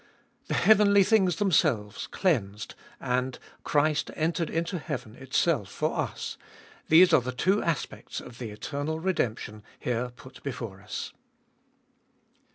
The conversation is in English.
The heavenly things themselves cleansed, and Christ entered into heaven itself for us,— these are the two aspects of the eternal redemption here put before us.